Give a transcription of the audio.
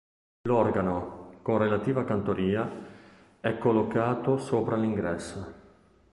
L'organo, con relativa cantoria, è collocato sopra l'ingresso.